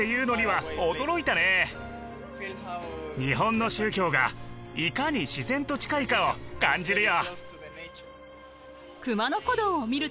日本の宗教がいかに自然と近いかを感じるよ。